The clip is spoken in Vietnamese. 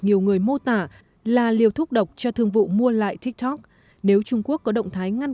nhiều người mô tả là liều thuốc độc cho thương vụ mua lại tiktok nếu trung quốc có động thái ngăn